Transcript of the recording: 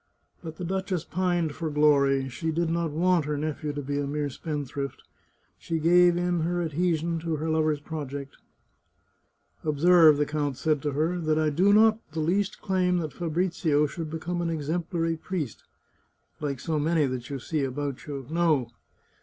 But the duchess pined for glory ; she did not want her nephew to be a mere spendthrift. She gave in her adhesion to her lover's project. " Observe," the count said to her, " that I do not the least claim that Fabrizio should become an exemplary priest, like so many that you see about you. No.